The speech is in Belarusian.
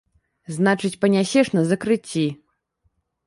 Значыць, панясеш на закрыцці!